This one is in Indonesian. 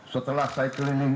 setelah saya keliling